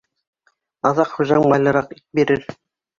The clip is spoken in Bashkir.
Аҙаҡ хужаң майлыраҡ ит бирер.